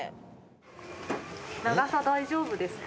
長さ大丈夫ですか？